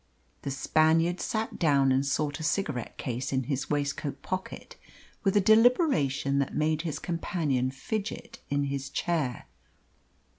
The Spaniard sat down and sought a cigarette case in his waistcoat pocket with a deliberation that made his companion fidget in his chair.